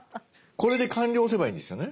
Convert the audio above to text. これで「完了」を押せばいいんですよね？